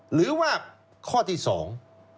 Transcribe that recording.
หรือว่าข้อที่สอง